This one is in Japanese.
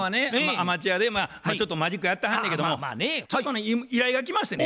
アマチュアでちょっとマジックやってはんねやけどもちょっとね依頼が来ましてね。